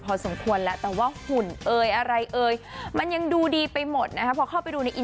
พอสมควรแล้วแต่ว่าหุ่นเอ่ยอะไรเอ่ยมันยังดูดีไปหมดนะคะพอเข้าไปดูในอี